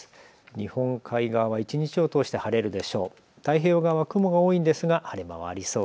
日本海側は一日を通して晴れるでしょう。